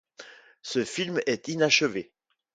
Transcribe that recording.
Ce film est inachevé.